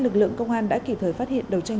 lực lượng công an đã kịp thời phát hiện đấu tranh